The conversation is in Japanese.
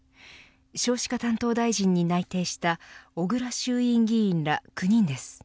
少子化担当大臣に内定した小倉衆院議員ら９人です。